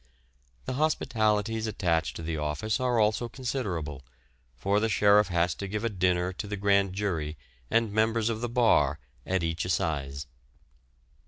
The hospitalities attached to the office are also considerable, for the sheriff has to give a dinner to the grand jury and members of the bar at each assize.